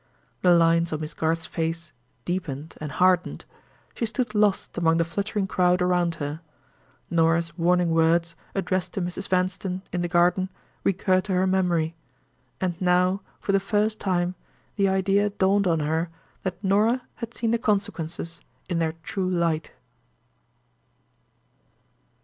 The lines on Miss Garth's face deepened and hardened: she stood lost among the fluttering crowd around her. Norah's warning words, addressed to Mrs. Vanstone in the garden, recurred to her memory—and now, for the first time, the idea dawned on her that Norah had seen the consequences in their true light.